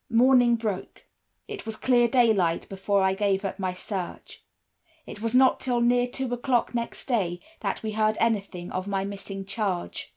"Morning broke. It was clear daylight before I gave up my search. It was not till near two o'clock next day that we heard anything of my missing charge.